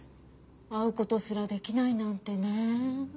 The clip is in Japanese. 会う事すらできないなんてね。